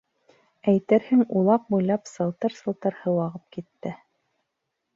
Әйтерһең, улаҡ буйлап сылтыр-сылтыр һыу ағып китте...